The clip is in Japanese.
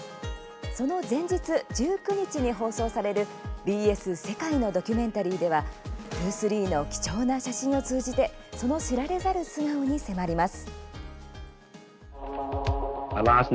その前日、１９日に放送される「ＢＳ世界のドキュメンタリー」では、ブルース・リーの貴重な写真を通じてその知られざる素顔に迫ります。